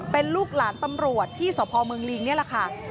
เป็นลูกหลานตำรวจที่สพเมืองลิงนี่แหละค่ะ